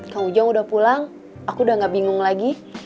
kang ujang udah pulang aku udah gak bingung lagi